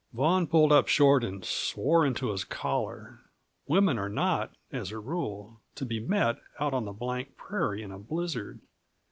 Vaughan pulled up short and swore into his collar. Women are not, as a rule, to be met out on the blank prairie in a blizzard.